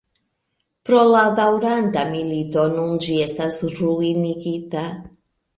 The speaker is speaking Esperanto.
Pro la daŭranta milito nun ĝi estas ruinigita.